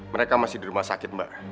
mereka masih di rumah sakit mbak